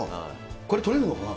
これ、撮れるのかな？